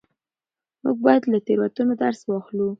موږ باید له تېروتنو درس واخلو.